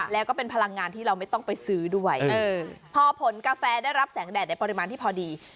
แล้วก็เป็นพลังงานที่เราไม่ต้องไปซื้อด้วยพอผลกาแฟได้รับแสงแดดในปริมาณที่พอดี